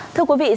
thưa quý vị